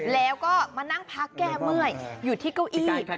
แล้วก็มานั่งพักแก้เมื่อยอยู่ที่เก้าอี้